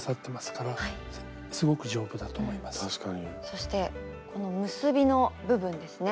そしてこの結びの部分ですね。